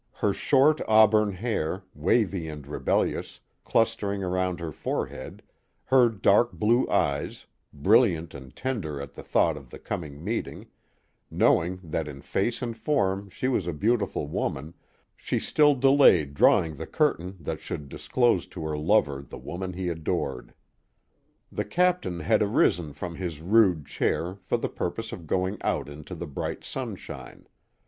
Her short auburn hair, wavy and rebel lious, clustering around her forehead, her dark blue eyes, brilliant and tender at the thought of the coming meeting, knowing that in face and form she was a beautiful woman, she still delayed drawing the curtain that should disclose to her lover the woman he adored. The captain had arisen from his rude chair for the purpose of going out into the bright sunshine.